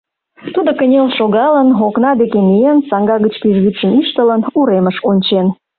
Тудо кынел шогалын, окна деке миен, саҥга гыч пӱжвӱдшым ӱштылын, уремыш ончен.